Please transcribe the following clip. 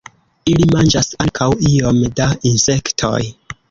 Ili manĝas ankaŭ iom da insektoj.